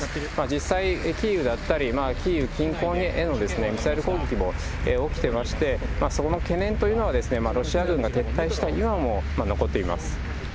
実際、キーウだったり、キーウ近郊へのミサイル攻撃も起きてまして、そこの懸念というのは、ロシア軍が撤退した今も残っています。